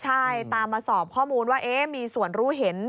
ใช่ตามมาสอบข้อมูลว่ามีส่วนรู้เห็น